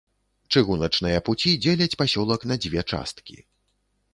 Чыгуначныя пуці дзеляць пасёлак на дзве часткі.